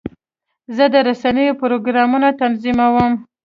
زه د رسنیو پروګرامونه تنظیموم.